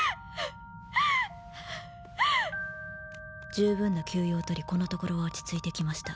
「十分な休養を取りこのところ落ち着いてきました。